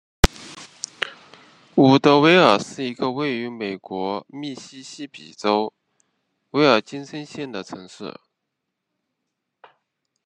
伍德维尔是一个位于美国密西西比州威尔金森县的城市。